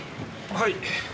はい。